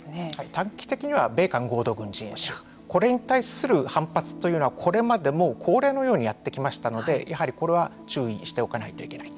短期的には米韓合同軍事演習これに対する反発というのはこれまでも恒例のようにやってきましたのでやはり、これは注意しておかないといけない。